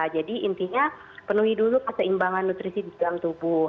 jadi intinya penuhi dulu keseimbangan nutrisi di dalam tubuh